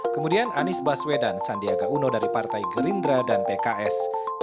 kemudian anies baswedan sandiaga uno dari partai gerindra dan pks